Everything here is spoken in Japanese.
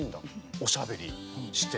おしゃべりして。